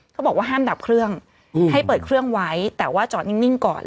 เขาบอกว่าห้ามดับเครื่องให้เปิดเครื่องไว้แต่ว่าจอดนิ่งก่อน